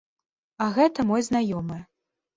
А гэта мой знаёмы.